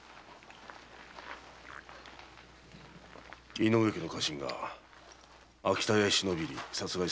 井上家の家臣が秋田屋へ忍び入り殺害された。